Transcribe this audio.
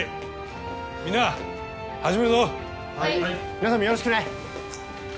皆さんもよろしくね。